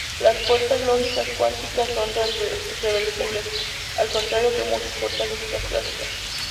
Las puertas lógicas cuánticas son reversibles, al contrario que muchas puertas lógicas clásicas.